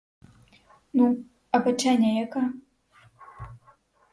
Ну, а печеня яка?